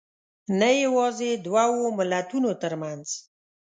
نه یوازې دوو ملتونو تر منځ